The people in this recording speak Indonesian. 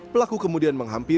pelaku kemudian menghampirinya